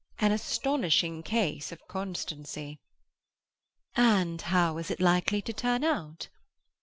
An astonishing case of constancy." "And how is it likely to turn out?"